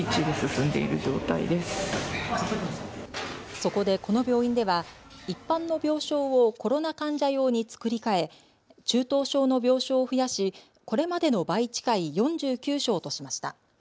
そこで、この病院では一般の病床をコロナ患者用に作り替え中等症の病床を増やしこれまでの倍近い４９床としました。